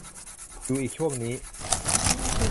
อยู่อีกช่วงนี้